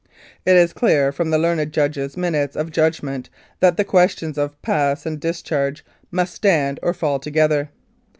"It is clear from the learned Judge's minutes of judgment that the questions of ' Pass ' and ' Discharge ' must stand or fall together.